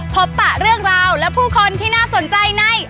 ปะเรื่องราวและผู้คนที่น่าสนใจใน